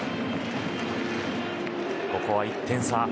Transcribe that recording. ここは１点差。